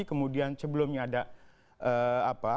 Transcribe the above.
kemudian sebelumnya ada